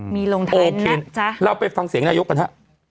มีลงทายนะจ๊ะโอเคเราไปฟังเสียงนายกกันฮะ